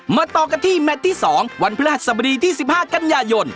ต่อกันที่แมทที่๒วันพฤหัสสบดีที่๑๕กันยายน